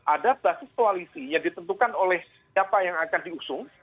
ada basis koalisi yang ditentukan oleh siapa yang akan diusung